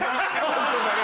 ホントだね。